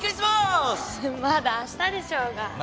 まだあしたでしょうが。